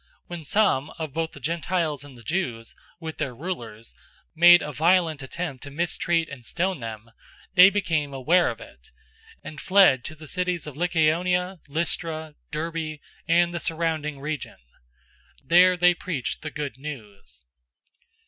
014:005 When some of both the Gentiles and the Jews, with their rulers, made a violent attempt to mistreat and stone them, 014:006 they became aware of it, and fled to the cities of Lycaonia, Lystra, Derbe, and the surrounding region. 014:007 There they preached the Good News.